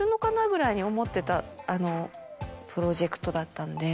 ぐらいに思ってたプロジェクトだったんで。